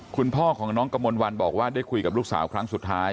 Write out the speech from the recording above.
คุณพ่อของน้องกระมวลวันบอกว่าได้คุยกับลูกสาวครั้งสุดท้าย